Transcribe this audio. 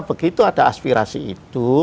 begitu ada aspirasi itu